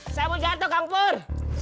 saya mau jatuh kang pur